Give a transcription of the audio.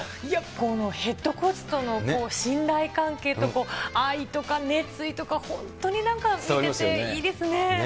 このヘッドコーチとの信頼関係と、愛とか熱意とか、本当になんか、見てていいですね。